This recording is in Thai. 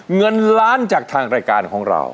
เงินล้านจากทางรายการของเรา